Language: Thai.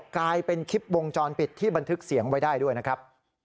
กลายเป็นคลิปวงจรปิดที่บันทึกเสียงไว้ได้ด้วยนะครับ